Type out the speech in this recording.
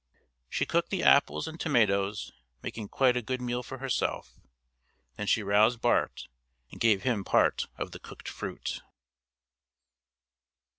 She cooked the apples and tomatoes, making quite a good meal for herself. Then she roused Bart, and gave him part of the cooked fruit.